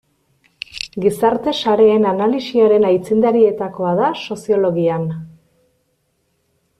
Gizarte-sareen analisiaren aitzindarietakoa da soziologian.